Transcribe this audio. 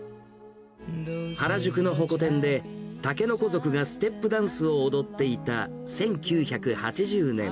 原宿のホコ天で竹の子族がステップダンスを踊っていた１９８０年。